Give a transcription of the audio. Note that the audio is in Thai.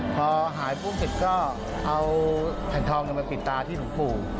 พอหายปุ๊บเสร็จก็เอาแผ่นทองมาปิดตาที่หลวงปู่